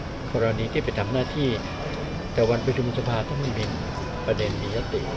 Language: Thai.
แต่ว่าเวลานี้ที่ไปทำหน้าที่แต่วันประธุมศาพที่เรามีประเด็นมีพฤติ